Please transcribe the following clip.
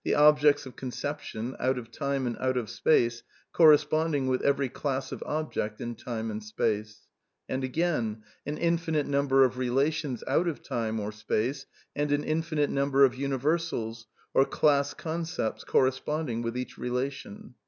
\— objects of conception, out of time and out of space, corre sponding with every class of object in time and space: and again, an infinite number of relations out of time or space, and an infinite number of universals, or class concepts cor responding with each relation.